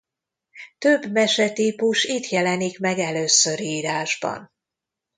Több mese típus itt jelenik meg először írásban.